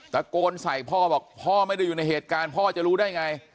ตะโกนใส่พ่อบอกพ่อไม่ได้อยู่ในเหตุการณ์พ่อจะรู้ได้ไง